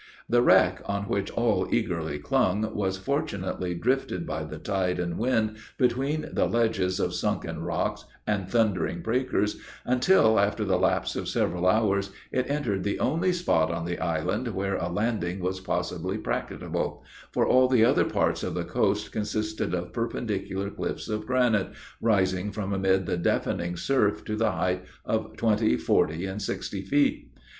The wreck, on which all eagerly clung, was fortunately drifted by the tide and wind between ledges of sunken rocks and thundering breakers, until, after the lapse of several hours, it entered the only spot on the island where a landing was possibly practicable, for all the other parts of the coast consisted of perpendicular cliffs of granite, rising from amid the deafening surf to the height of twenty, forty, and sixty feet.